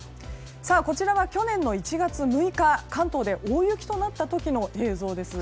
こちらは去年の１月６日関東で大雪となった時の映像です。